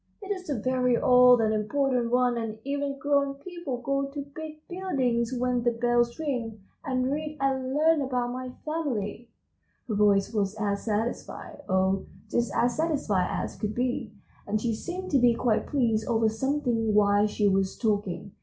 "It is a very old and important one, and even grown people go to big buildings when the bells ring, and read and learn about my family." Her voice was as satisfied, oh, just as satisfied as could be, and she seemed to be quite pleased over something while she was talking.